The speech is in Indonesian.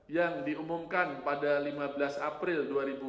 yang diumumkan pada lima belas april dua ribu dua puluh